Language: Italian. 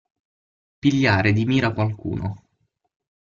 Pigliare di mira qualcuno.